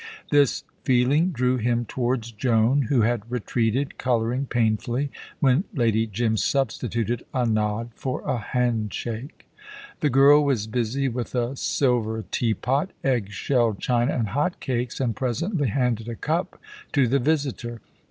This feeling drew him towards Joan, who had retreated, colouring painfully, when Lady Jim substituted a nod for a handshake. The girl was busy with a silver teapot, egg shell china, and hot cakes, and presently handed a cup to the visitor.